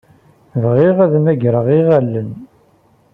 Bɣiɣ ad am-greɣ iɣallen.